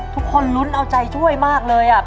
ทุกคนลุ้นเอาใจช่วยมากเลย